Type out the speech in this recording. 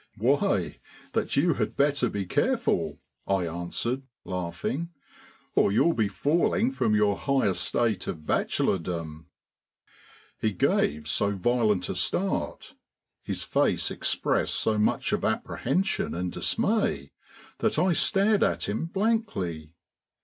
"Why, that you had better be careful," I answered, laughing; "or you'll be falling from your high estate of bachelordom." He gave so violent a start, his face expressed so much of apprehension and dismay, that I stared at him blankly.